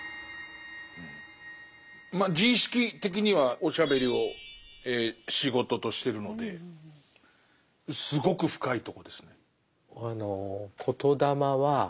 まあ自意識的にはおしゃべりを仕事としてるのですごく深いとこですね。